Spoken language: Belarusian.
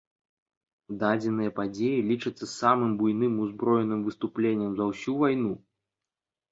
Дадзеныя падзеі лічацца самым буйным узброеным выступленнем за ўсю вайну.